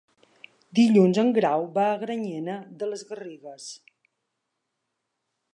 Dilluns en Grau va a Granyena de les Garrigues.